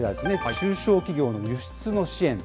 中小企業の輸出の支援。